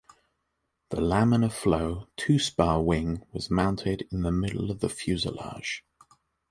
The laminar-flow, two-spar, wing was mounted in the middle of the fuselage.